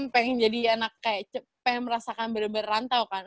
pengen jadi anak kayak pengen merasakan benar benar rantau kan